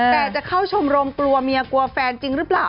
แต่จะเข้าชมรมกลัวเมียกลัวแฟนจริงหรือเปล่า